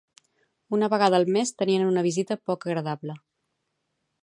Una vegada al mes teníen una visita poc agradable.